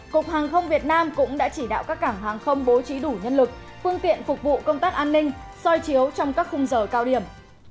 cục hàng không việt nam cũng đã chỉ đạo các cảng hàng không bố trí đủ nhân lực phương tiện phục vụ công tác an ninh soi chiếu trong các khung giờ cao điểm